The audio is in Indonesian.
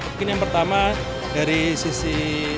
mungkin yang pertama dari sisi